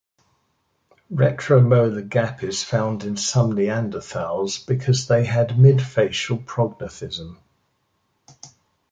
Retromolar gap is found in some Neanderthals because they had midfacial prognathism.